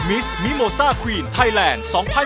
มิสมิโมซ่าควีนไทยแลนด์๒๐๑๖